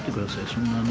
そんなね